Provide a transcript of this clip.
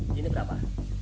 nah ini berapa